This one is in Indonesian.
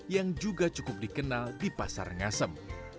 yang juga cukup dikenal di pasar ngasem